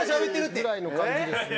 ぐらいの感じですね。